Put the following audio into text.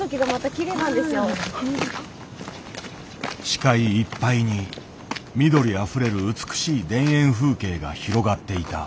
視界いっぱいに緑あふれる美しい田園風景が広がっていた。